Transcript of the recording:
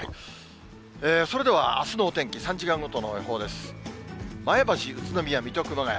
それではあすのお天気、３時間ごとの予報です。